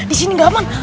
disini gak aman